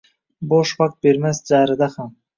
Bo’sh vaqt bermas jarida ham